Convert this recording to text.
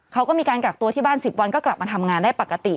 เขาก็มีการกักตัวที่บ้าน๑๐วันก็กลับมาทำงานได้ปกติ